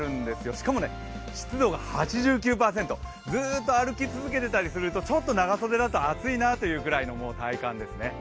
しかも湿度が８９％、ずっと歩き続けてたりするとちょっと長袖だと暑いなというぐらいの体感ですね。